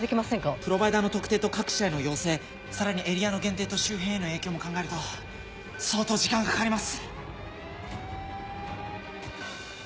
プロバイダーの特定と各社への要請さらにエリアの限定と周辺への影響も考えると相当時間がかかります。